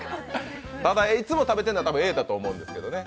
いつも食べているのはＡだと思うんですけれどもね。